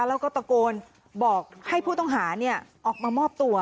แล้วก็ตะโกนบอกให้ผู้ต้องหาออกมามอบตัว